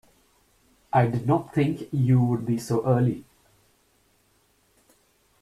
I did not think you would be so early.